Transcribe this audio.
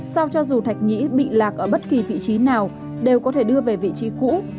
sao cho dù thạch nhĩ bị lạc ở bất kỳ vị trí nào đều có thể đưa về vị trí cũ